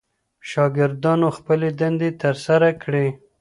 شاګردانو خپلې دندې ترسره کړې.